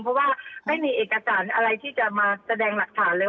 เพราะว่าไม่มีเอกสารอะไรที่จะมาแสดงหลักฐานเลย